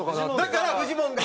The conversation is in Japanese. だからフジモンが。